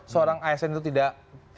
seorang asn itu tidak